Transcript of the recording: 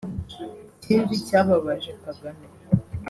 Ikindi cyababaje Kagame